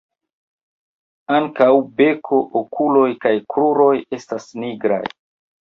Ankaŭ beko, okuloj kaj kruroj estas nigraj.